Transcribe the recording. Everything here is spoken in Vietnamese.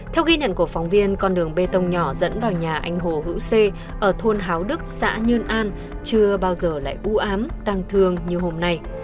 theo ghi nhận của phóng viên con đường bê tông nhỏ dẫn vào nhà anh hồ hữu xê ở thôn háo đức xã nhơn an chưa bao giờ lại ưu ám tăng thương như hôm nay